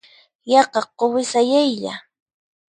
Yaqa quwi sayaylla.